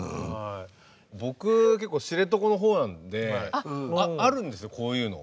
僕結構知床の方なんであるんですよこういうの。